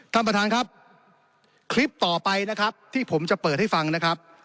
ท่านประธานครับคลิปต่อไปนะครับที่ผมจะเปิดให้ฟังนะครับ